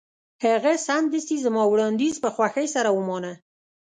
هغه سمدستي زما وړاندیز په خوښۍ سره ومانه